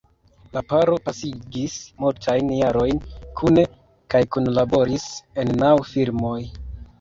La paro pasigis multajn jarojn kune kaj kunlaboris en naŭ filmoj.